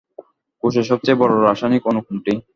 কোষের সবচেয়ে বড় রাসায়নিক অণু কোনটি?